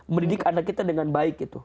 mendidik anak kita dengan baik gitu